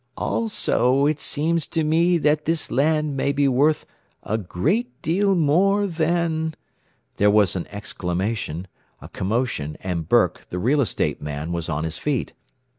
"Also it seems to me that this land may be worth a great deal more than " There was an exclamation, a commotion, and Burke, the real estate man, was on his feet.